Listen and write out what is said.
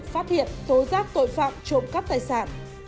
phát hiện tố giác tội phạm trộm cắp tài sản